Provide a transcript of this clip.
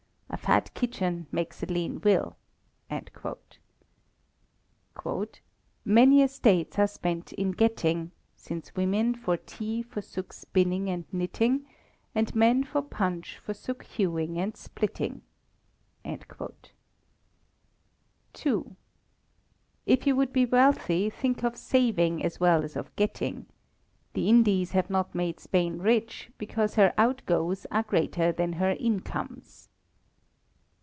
A fat kitchen makes a lean will." "Many estates are spent in getting, Since women for tea forsook spinning and knitting, And men for punch forsook hewing and splitting." ii. If you would be wealthy, think of saving as well as of getting. The Indies have not made Spain rich, because her out goes are greater than her in comes.